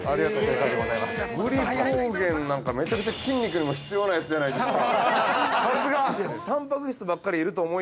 ◆グリコーゲンなんかめちゃくちゃ筋肉にも必要なやつじゃないですか。